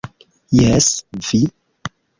Jes, vi!